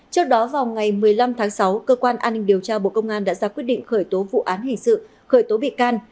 trước đó vào ngày một mươi năm tháng sáu cơ quan an ninh điều tra bộ công an đã ra quyết định khởi tố vụ án hình sự khởi tố bị can